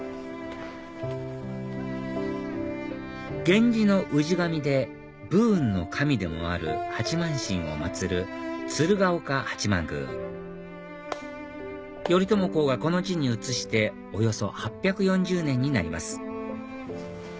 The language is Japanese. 源氏の氏神で武運の神でもある八幡神を祭る鶴岡八幡宮頼朝公がこの地に移しておよそ８４０年になります